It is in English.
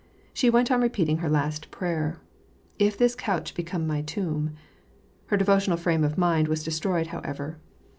She went on repeating her last prayer, '^ If this couch become my tomb/' Her devotional frame of mind was de stroyed, however.